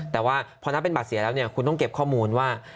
เพราะถ้าเป็นบัตรเสียแล้วเนี่ยคุณต้องเก็บข้อมูลว่า